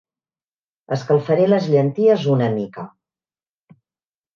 Escalfaré les llenties una mica.